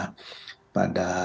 itu yang terjadi pada